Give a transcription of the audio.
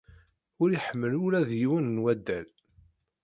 Ur iḥemmel ula d yiwen n waddal.